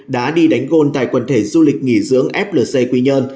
đã đi đánh gôn tại quần thể du lịch nghỉ dưỡng flc quy nhơn